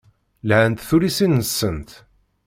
Lhant tullisin-nsent.